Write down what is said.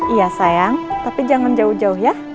iya sayang tapi jangan jauh jauh ya